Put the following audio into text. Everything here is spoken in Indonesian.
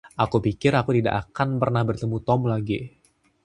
Aku pikir aku tidak akan pernah bertemu Tom lagi.